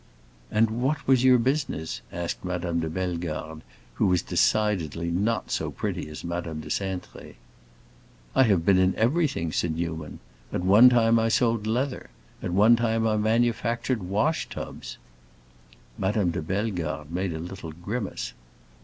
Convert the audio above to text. "And what was your business?" asked Madame de Bellegarde, who was decidedly not so pretty as Madame de Cintré. "I have been in everything," said Newman. "At one time I sold leather; at one time I manufactured wash tubs." Madame de Bellegarde made a little grimace.